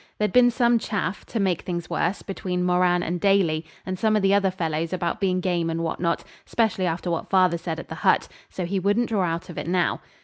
There'd been some chaff, to make things worse, between Moran and Daly and some of the other fellows about being game and what not, specially after what father said at the hut, so he wouldn't draw out of it now.